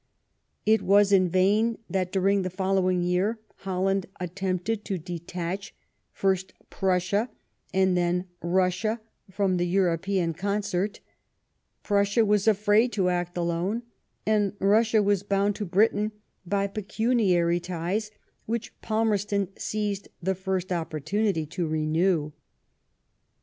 It was in vain that during the following year Holland attempted to detach first Prussia and then Bussia firom the European concert ; Prussia was afraid to act alone^ and Bussia was bound to Britain by pecuniary ties, which Palmerston seized the first opportunity to renew.